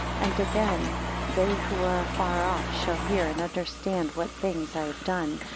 2 And again, They who are afar off, shall hear and understand what things I have done.